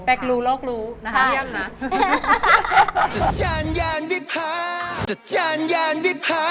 เป๊กรู้โลกรู้นะครับ